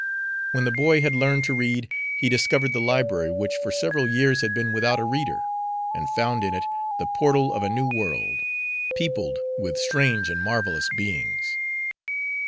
When the boy had learned to read, he discovered the library, which for several years had been without a reader, and found in it the portal of a new world, peopled with strange and marvelous beings.